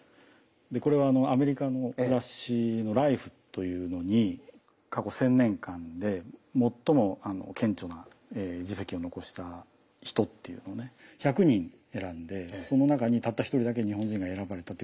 これはアメリカの雑誌の「ＬＩＦＥ」というのに過去１，０００年間で最も顕著な実績を残した人っていうのをね１００人選んでその中にたった一人だけ日本人が選ばれたということなんですね。